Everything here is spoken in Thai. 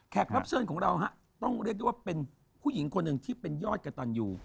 รับเชิญของเราต้องเรียกได้ว่าเป็นผู้หญิงคนหนึ่งที่เป็นยอดกระตันอยู่